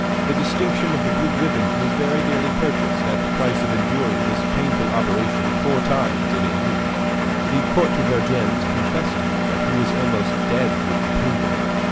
The distinction of the blue ribbon was very dearly purchased at the price of enduring this painful operation four times in a year, The Count de Vergennes confessed to me that he was almost dead with the pain of it.